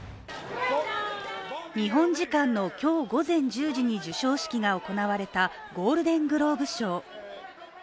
日本時間の今日午前１０時に授賞式が行われたゴールデングローブ賞。